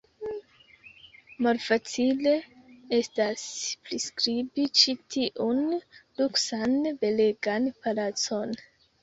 Malfacile estas priskribi ĉi tiun luksan, belegan palacon.